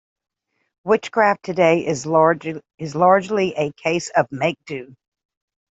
Witchcraft today is largely a case of "make do".